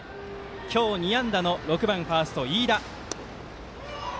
今日２安打の６番ファースト、飯田。